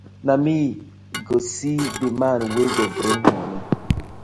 Na me go see di man wey go bring moni.